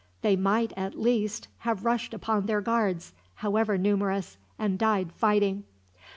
They might, at least, have rushed upon their guards, however numerous, and died fighting."